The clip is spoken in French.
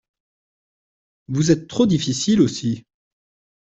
Vous êtes trop difficile aussi.